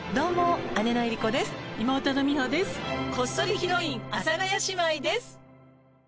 こっそりヒロイン阿佐ヶ谷姉妹です。